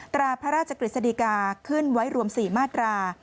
ตราพระราชกฤษฎีกาขึ้นไว้รวม๔มาตรา